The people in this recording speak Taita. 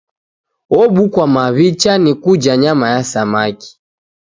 Obuswa maw'icha ni kuja nyama ya samaki.